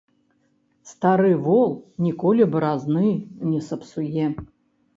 Стары вол ніколі баразны не сапсуе.